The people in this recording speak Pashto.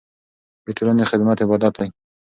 د ټولنې خدمت عبادت دی.